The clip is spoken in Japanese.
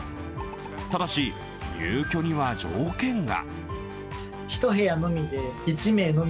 ただし、入居には条件が。